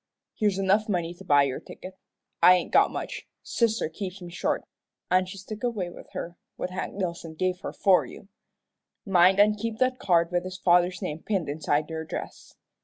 Here's enough money to buy your ticket. I ain't got much. Sister keeps me short, an' she's took away with her what Hank Dillson give her for you. Mind an' keep that card with his father's name pinned inside your dress.